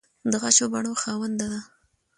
د غشو بڼو خاونده ده